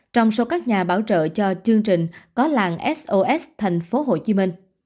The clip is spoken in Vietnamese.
trong số các nhà bảo trợ cho chương trình có làng sos tp hcm